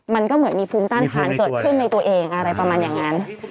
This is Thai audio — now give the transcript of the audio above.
มันก็เหมือนมีภูมิต้านทานเกิดขึ้นในตัวเองอะไรประมาณอย่างนั้น